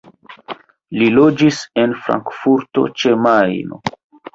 Li loĝis en Frankfurto ĉe Majno.